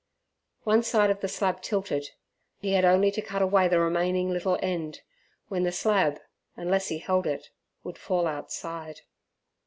One side of the slab tilted; he had only to cut away the remaining little end, when the slab, unless he held it, would fall outside.